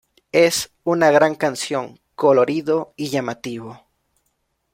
Es una gran canción, colorido y llamativo!